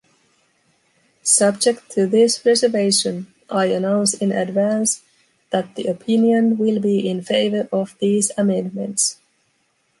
Subject to this reservation, I announce in advance that the opinion will be in favor of these amendments.